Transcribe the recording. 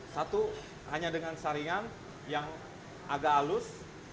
satu hanya dengan saringan yang agak halus